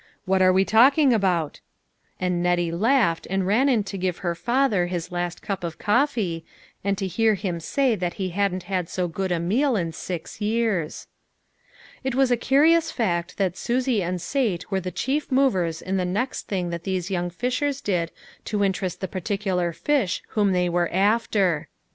What are we talking about?" And Nettie laughed, and ran in to give her father his last cup of cof fee, and to hear him say that he hadn't had so good a meal in six years. It was a curious fact that Susie and Sate were the chief movers in the next thing that these young Fishers did to interest the particular fish whom they were after.